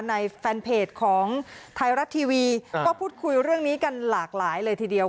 ในแฟนเพจของไทยรัฐทีวีก็พูดคุยเรื่องนี้กันหลากหลายเลยทีเดียว